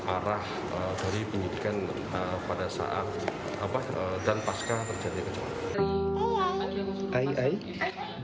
arah dari penyelidikan pada saat dan pasca terjadi kecelakaan